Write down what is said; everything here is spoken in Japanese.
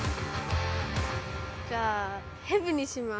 じゃあヘビにします。